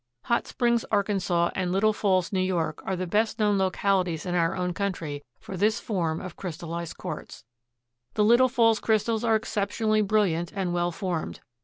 Hot Springs, Arkansas, and Little Falls, New York, are the best known localities in our own country for this form of crystallized quartz. The Little Falls crystals are exceptionally brilliant and well formed.